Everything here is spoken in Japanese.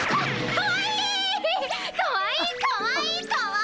かわいいかわいいかわいい！